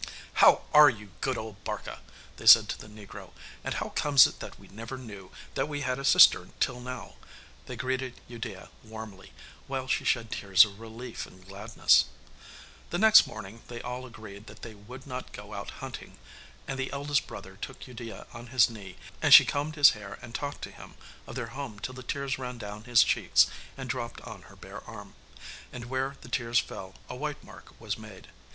'How are you, good old Barka?' they said to the negro; 'and how comes it that we never knew that we had a sister till now?' and they greeted Udea warmly, while she shed tears of relief and gladness. The next morning they all agreed that they would not go out hunting. And the eldest brother took Udea on his knee, and she combed his hair and talked to him of their home till the tears ran down his cheeks and dropped on her bare arm. And where the tears fell a white mark was made.